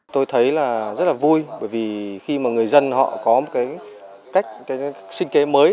tôi thấy là rất là vui bởi vì khi mà người dân họ có một cái cách sinh kế mới